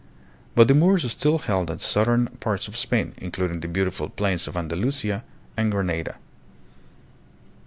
But the Moors still held the southern parts of Spain, including the beautiful plains of Andalusia and Grenada.